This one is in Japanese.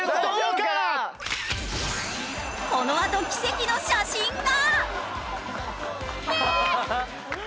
このあと奇跡の写真が！